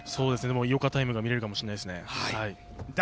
井岡タイムが見られるかもしれないですね。